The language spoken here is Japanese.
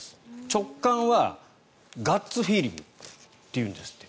直感はガッツ・フィーリングっていうんですって。